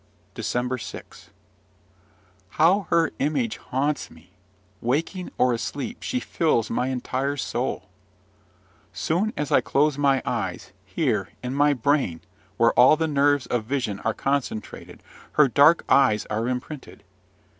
DECEMBER 6. How her image haunts me! Waking or asleep, she fills my entire soul! Soon as I close my eyes, here, in my brain, where all the nerves of vision are concentrated, her dark eyes are imprinted.